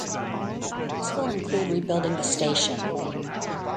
This will include rebuilding the station.